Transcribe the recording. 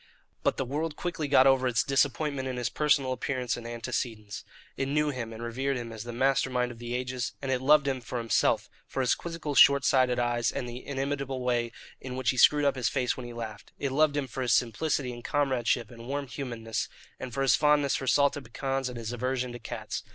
But the world quickly got over its disappointment in his personal appearance and antecedents. It knew him and revered him as the master mind of the ages; and it loved him for himself, for his quizzical short sighted eyes and the inimitable way in which he screwed up his face when he laughed; it loved him for his simplicity and comradeship and warm humanness, and for his fondness for salted pecans and his aversion to cats.